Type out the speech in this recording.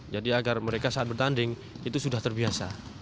jadi agar mereka saat bertanding itu sudah terbiasa